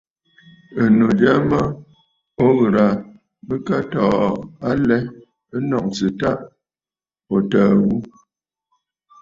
Ɨ̀nnu jya mə o ghɨrə̀ aa, bɨka tɔɔ alɛ ɨ nɔ̀ŋsə tâ ò təə ghu.